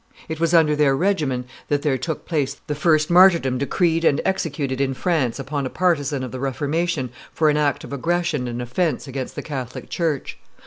It was under their regimen that there took place the first martyrdom decreed and executed in France upon a partisan of the Reformation for an act of aggression and offence against the Catholic church.